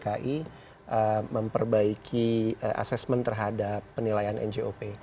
dan memperbaiki assessment terhadap penilaian ngop